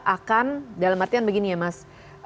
akan dalam artian begini ya mas